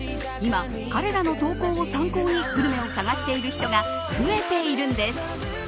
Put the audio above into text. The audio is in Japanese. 今、彼らの投稿を参考にグルメを探している人たちが増えているんです。